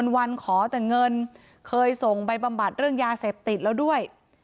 วันขอแต่เงินเคยส่งไปบำบัดเรื่องยาเสพติดแล้วด้วย